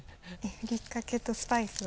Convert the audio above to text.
「ふりかけ」と「スパイス」を。